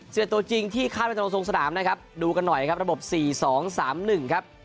สิ่งแรกตัวจริงที่ข้ามไปตรงสดามนะครับดูกันหน่อยครับระบบ๔๒๓๑ครับ